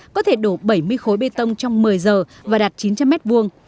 có thể đổ bảy mươi khối bê tông trong một mươi giờ và đạt chín trăm linh mét vuông